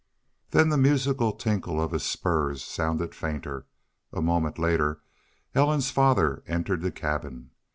Then the musical tinkle of his spurs sounded fainter. A moment later Ellen's father entered the cabin.